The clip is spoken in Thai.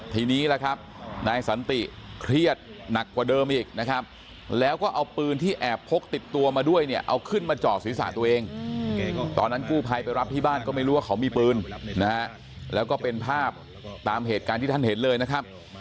ทีนี้ล่ะครับนายสันติเครียดหนักกว่าเดิมอีกนะครับแล้วก็เอาปืนที่แอบพกติดตัวมาด้วยเนี่ยเอาขึ้นมาเจาะศีรษะตัวเองตอนนั้นกู้ภัยไปรับที่บ้านก็ไม่รู้ว่าเขามีปืนนะฮะแล้วก็เป็นภาพตามเหตุการณ์ที่ท่านเห็นเลยนะครับ